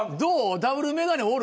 ダブルメガネおる？